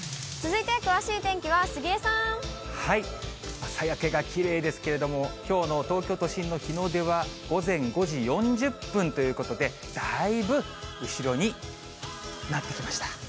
朝焼けがきれいですけれども、きょうの東京都心の日の出は午前５時４０分ということで、だいぶ後ろになってきました。